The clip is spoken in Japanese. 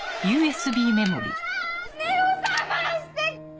目を覚まして！